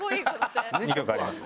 ２曲あります。